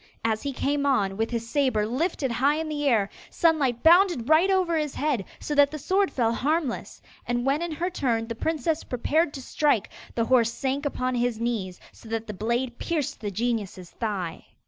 As he came on, with his sabre lifted high in the air, Sunlight bounded right over his head, so that the sword fell harmless. And when in her turn the princess prepared to strike, the horse sank upon his knees, so that the blade pierced the genius's thigh.